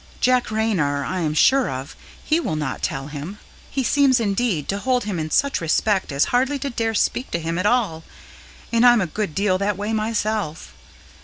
Jack Raynor I am sure of he will not tell him. He seems, indeed, to hold him in such respect as hardly to dare speak to him at all, and I'm a good deal that way myself.